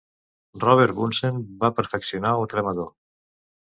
Robert Bunsen va perfeccionar el cremador.